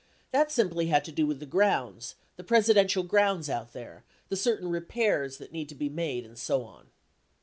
That simply had to do with the grounds, the Presidential grounds out there, the certain repairs that need to be made and so on.